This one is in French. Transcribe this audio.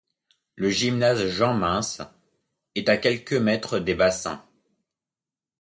Le Gymnase Jean-Mince est à quelques mètres des bassins.